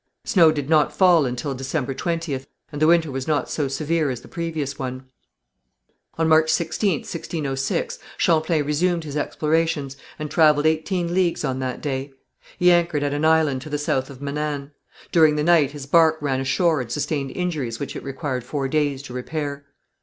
Snow did not fall until December 20th, and the winter was not so severe as the previous one. On March 16th, 1606, Champlain resumed his explorations, and travelled eighteen leagues on that day. He anchored at an island to the south of Manan. During the night his barque ran ashore and sustained injuries which it required four days to repair.